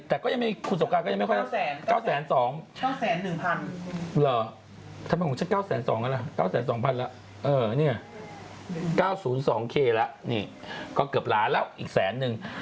แต่คุณสงการก็ยังไม่เคยรับคุณสงการ๑๙๐๒๐๐๐แล้ว